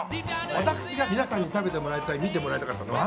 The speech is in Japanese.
私が皆さんに食べてもらいたい見てもらいたかったのは。